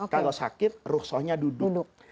kalau sakit ruksyahnya duduk